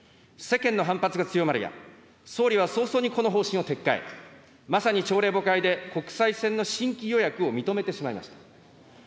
世間の反発が強まるや、総理は早々にこの方針を撤回、まさに朝令暮改で国際線の新規予約を認めてしまいました。